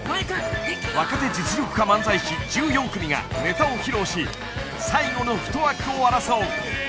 ［若手実力派漫才師１４組がネタを披露し最後の一枠を争う］